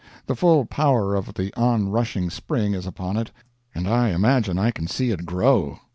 The full power of the on rushing spring is upon it, and I imagine I can see it grow.